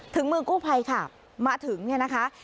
ถึงมือกู้ภัยค่ะมาถึงเนี่ยนะคะ